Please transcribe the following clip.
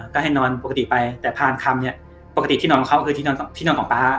ก็ให้นอนปกติไปแต่พานคำเนี่ยปกติที่นอนของเขาคือที่นอนที่นอนของป๊า